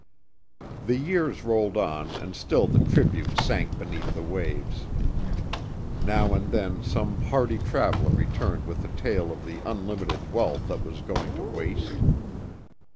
The years rolled on and still the tributes sank beneath the waves. Now and then some hardy traveler returned with a tale of the unlimited wealth that was going to waste.